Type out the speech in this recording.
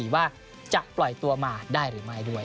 ว่าจะปล่อยตัวมาได้หรือไม่ด้วย